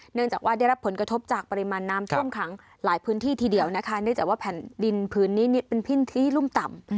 เนื่องจากว่าได้รับผลกระทบจากปริมาณน้ำท่วมขังหลายพื้นที่ทีเดียวนะคะเนื่องจากว่าแผ่นดินพื้นนี้เป็นพื้นที่รุ่มต่ำ